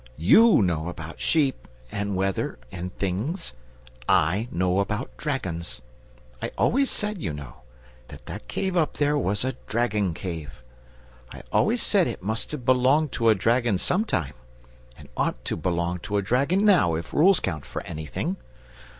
YOU know about sheep, and weather, and things; I know about dragons. I always said, you know, that that cave up there was a dragon cave. I always said it must have belonged to a dragon some time, and ought to belong to a dragon now, if rules count for anything.